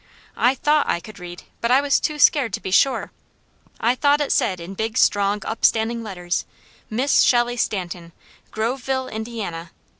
I THOUGHT I could read, but I was too scared to be sure. I thought it said in big, strong, upstanding letters, Miss Shelley Stanton, Groveville, Indiana.